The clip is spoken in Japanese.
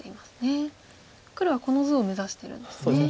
黒はこの図を目指してるんですね。